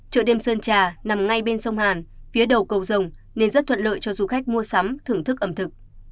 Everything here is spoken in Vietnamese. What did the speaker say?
chợ đêm sơn trà nằm ngay bên sông hàn phía đầu cầu rồng nên rất thuận lợi cho du khách mua sắm thưởng thức ẩm thực